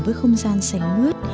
với không gian sánh mướt